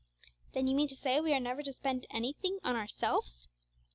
'Then you mean to say we are never to spend anything on ourselves?'